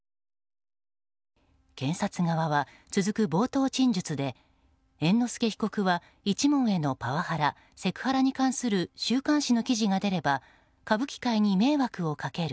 検察側は、続く冒頭陳述で猿之助被告は一門へのパワハラ・セクハラに関する週刊誌の記事が出れば歌舞伎界に迷惑をかける